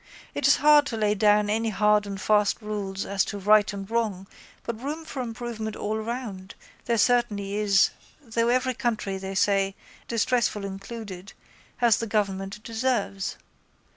It is hard to lay down any hard and fast rules as to right and wrong but room for improvement all round there certainly is though every country, they say, our own distressful included, has the government it deserves.